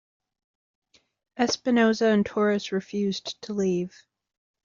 Espinoza and Torres refused to leave.